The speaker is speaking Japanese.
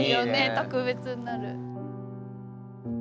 特別になる。